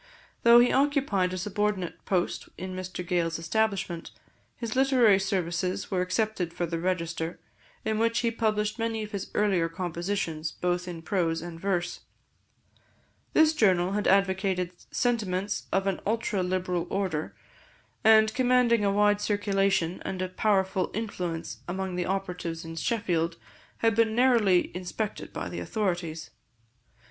Though he occupied a subordinate post in Mr Gales' establishment, his literary services were accepted for the Register, in which he published many of his earlier compositions, both in prose and verse. This journal had advocated sentiments of an ultra liberal order, and commanding a wide circulation and a powerful influence among the operatives in Sheffield, had been narrowly inspected by the authorities.